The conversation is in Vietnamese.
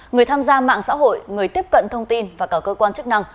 người tham gia mạng xã hội người tiếp cận thông tin và cả cơ quan chức năng